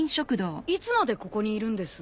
いつまでここにいるんです？